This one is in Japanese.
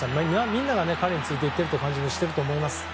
みんなが彼について行ってると感じていると思います。